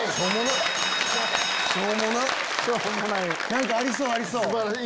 何かありそうありそう。